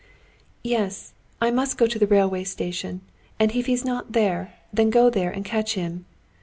"Yes, I must go to the railway station, and if he's not there, then go there and catch him."